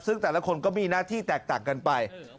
ซึ่งแต่ละคนก็มีหน้าที่แตกต่างกันไป